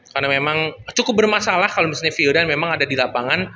karena memang cukup bermasalah kalau misalnya vildan memang ada di lapangan